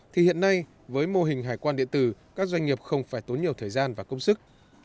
thì hiện nay với mô hình hải quan điện tử các doanh nghiệp không phải tốn nhiều thời gian và công sức